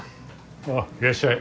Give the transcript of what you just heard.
おういらっしゃい。